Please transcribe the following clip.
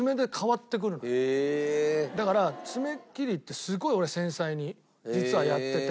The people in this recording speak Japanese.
だから爪切りってすごい俺繊細に実はやってて。